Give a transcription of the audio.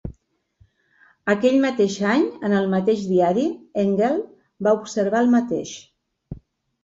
Aquell mateix any, en el mateix diari, Engel va observar el mateix.